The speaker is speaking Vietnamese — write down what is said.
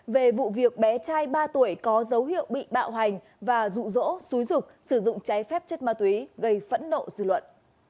về vụ việc bé trai ba tuổi có dấu hiệu bị bạo hành và rụ rỗ xúi rục sử dụng cháy phép chất ma túy gây phẫn nộ dư luận